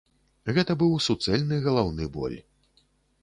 Гэта быў суцэльны галаўны боль.